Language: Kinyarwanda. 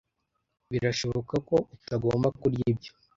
Birashoboka ko utagomba kurya ibyo.